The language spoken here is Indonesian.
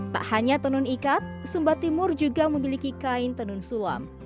tak hanya tenun ikat sumba timur juga memiliki kain tenun sulam